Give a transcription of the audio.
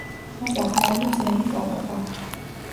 მას ახმოვანებს რემი კაბაკა.